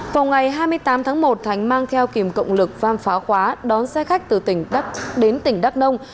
vào ngày hai mươi tám tháng một thành mang theo kìm cộng lực pham phá khóa đón xe khách từ tỉnh đắk lắc đến tỉnh đắk nông